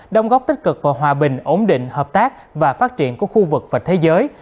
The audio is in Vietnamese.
đồng góp tích cực và hòa bình ổn định hợp tác và phát triển của khu vực và thế giới